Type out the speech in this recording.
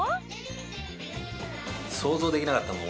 想像できなかったもん。